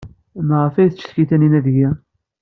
Maɣef ay tcikk Taninna deg-i?